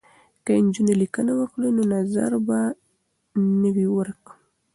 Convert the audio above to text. که نجونې لیکنه وکړي نو نظر به نه وي ورک.